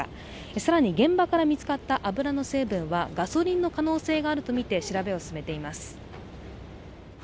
更に現場から見つかった油の成分はガソリンの可能性があるとみて調べを進めています。